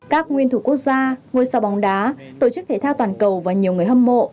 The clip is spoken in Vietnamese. các nguyên thủ quốc gia ngôi sao bóng đá tổ chức thể thao toàn cầu và nhiều người hâm mộ